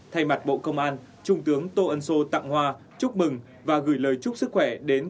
thay mặt bộ công an trung tướng tô ân sô tặng hoa chúc mừng và gửi lời chúc sức khỏe đến các đồng chí